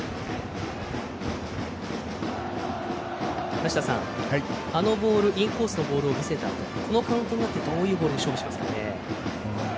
梨田さん、あのボールインコースのボールを見せたあとこのカウントになってどう勝負しますかね？